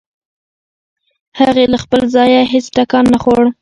هغې له خپل ځايه هېڅ ټکان نه خوړ.